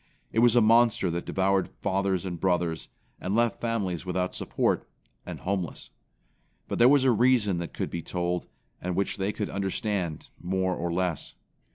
It was a monster that devoured fathers and brothers, and left families without support, and homeless. But there was a reason that could be told, and which they could understand more or less.